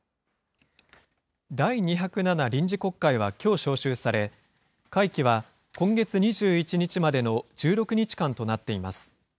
第２０７臨時国会はきょう召集され、会期は今月２１日までの１６日間となっています。